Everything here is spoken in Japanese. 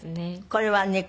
これは猫？